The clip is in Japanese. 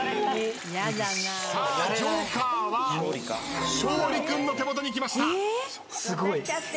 さあジョーカーは勝利君の手元に来ました。